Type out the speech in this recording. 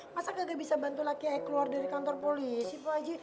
masa kagak bisa bantu laki laki saya keluar dari kantor polisi pak haji